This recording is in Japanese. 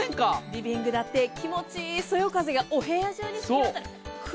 リビングだって気持ちいいそよ風がお部屋中に吹きます。